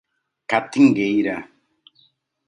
Catingueira